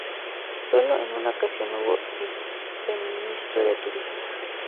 Solo en una ocasión hubo viceministro de turismo.